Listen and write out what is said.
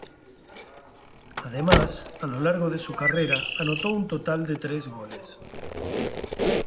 Además, a lo largo de su carrera, anotó un total de tres goles.